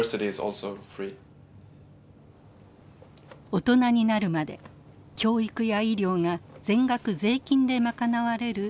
大人になるまで教育や医療が全額税金で賄われるスウェーデン。